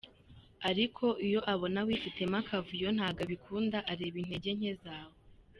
Ariko iyo abona wifitemo akavuyo ntago abikunda, areba intege nke zawe.